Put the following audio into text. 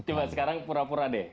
coba sekarang pura pura deh